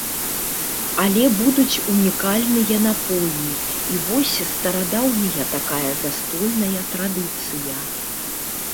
Але будуць унікальныя напоі, і вось старадаўняя такая застольная традыцыя.